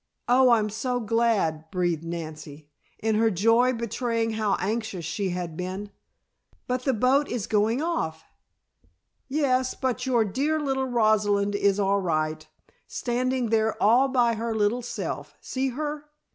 "Oh, I'm so glad," breathed Nancy, in her joy betraying how anxious she had been. "But the boat is going off!" "Yes, but your dear little Rosalind is all right, standing there all by her little self. See her?"